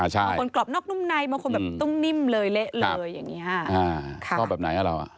รับไปเลยอย่างนี้ค่ะ